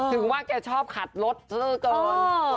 ถึงว่าแกชอบขับรถซะละเกิน